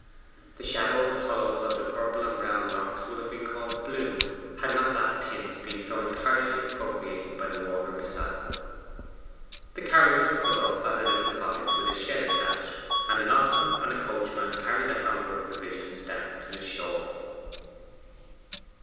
The shadowed hollows of the purple and brown rocks would have been called blue had not that tint been so entirely appropriated by the water beside them. The carriage was put up at a little cottage with a shed attached, and an ostler and the coachman carried the hamper of provisions down to the shore.